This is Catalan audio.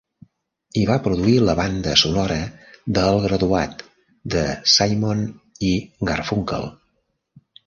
I va produir la banda sonora d'"El Graduat", de Simon i Garfunkel.